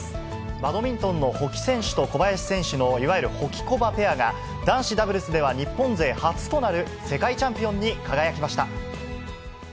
バドミントンの保木選手と小林選手のいわゆるホキコバペアが、男子ダブルスとしては日本勢初となる世界チャンピオンに輝きました。